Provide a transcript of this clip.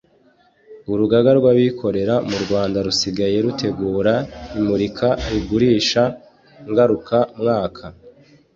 Urugaga rwabikorera mu rwanda rusigaye rutegura imurika gurisha ngaruka mwaka